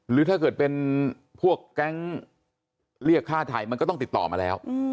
หรือถ้าเกิดเป็นพวกแก๊งเรียกฆ่าไทยมันก็ต้องติดต่อมาแล้ว